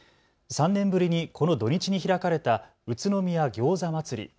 ３年ぶりにこの土日に開かれた宇都宮餃子祭り。